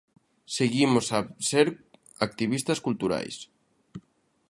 Seguimos a ser activistas culturais.